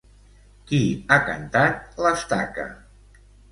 Qui ha cantat l'Estaca?